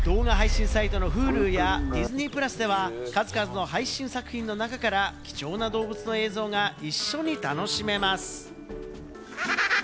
動画配信サイトのＨｕｌｕやディズニープラスでは、数々の配信作品の中から貴重な動物の映像が一緒に楽しめます。